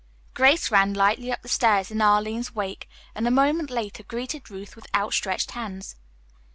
Grace ran lightly up the stairs in Arline's wake, and a moment later greeted Ruth with outstretched hands.